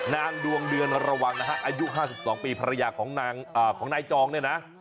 นางดวงเดือนระวังนะฮะอายุ๕๒ปีภรรยาของนายจองเนี่ยนะ